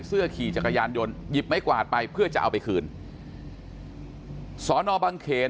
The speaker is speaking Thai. ขี่จักรยานยนต์หยิบไม้กวาดไปเพื่อจะเอาไปคืนสอนอบังเขน